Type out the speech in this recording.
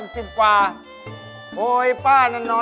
เจ้าไหน